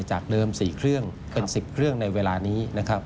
จากเริ่ม๔เครื่องเป็น๑๐เครื่องในเวลานี้